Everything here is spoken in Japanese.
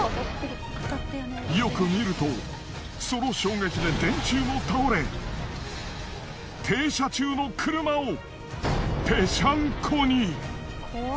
よく見るとその衝撃で電柱も倒れ停車中の車をぺしゃんこに。